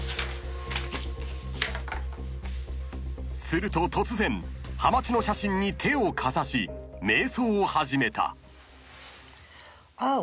［すると突然はまちの写真に手をかざし瞑想を始めた］